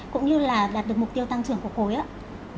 cũng như là đạt được mục tiêu tăng trưởng của cối ạ